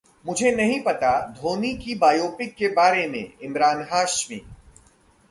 मुझे नहीं पता 'धोनी' की बायोपिक के बारे में: इमरान हाशमी